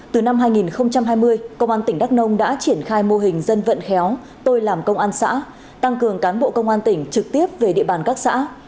từ năm hai nghìn hai mươi công an tỉnh đắk nông đã triển khai mô hình dân vận khéo tôi làm công an xã tăng cường cán bộ công an tỉnh trực tiếp về địa bàn các xã